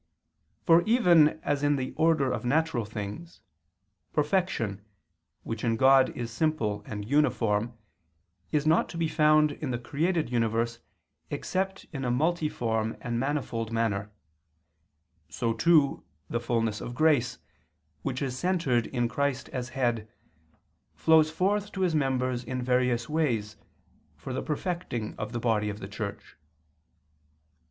For even as in the order of natural things, perfection, which in God is simple and uniform, is not to be found in the created universe except in a multiform and manifold manner, so too, the fulness of grace, which is centered in Christ as head, flows forth to His members in various ways, for the perfecting of the body of the Church.